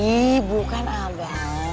ih bukan abah